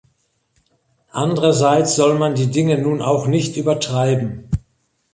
Andererseits soll man die Dinge nun auch nicht übertreiben.